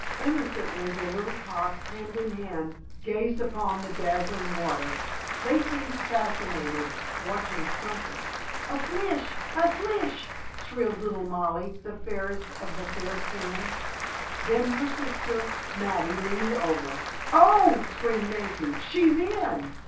Innocently the little tots, hand in hand, gazed upon the dazzling water. They seemed fascinated, watching something. "A flish! A flish!" shrilled little Molly, the fairest of the fair twins. Then her sister Mattie leaned over "Oh!" screamed Nancy. "She's in!"